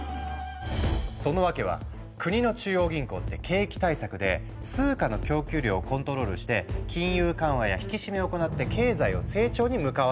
その訳は国の中央銀行って景気対策で通貨の供給量をコントロールして金融緩和や引き締めを行って経済を成長に向かわせているの。